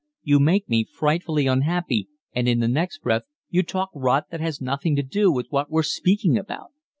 You make me frightfully unhappy, and in the next breath you talk rot that has nothing to do with what we're speaking about."